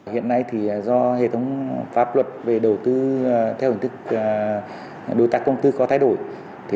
hiện nay do hệ thống pháp luật về đầu tư theo hình thức đối tác công tư có thay đổi